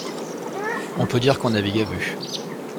On peut dire qu'on navigue à vue.